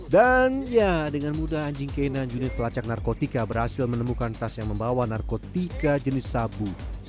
dan ya dengan mudah anjing k sembilan unit pelacak narkotika berhasil menemukan tas yang membawa narkotika jenis sabu